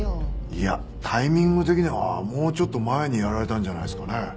いやタイミング的にはもうちょっと前にやられたんじゃないですかね。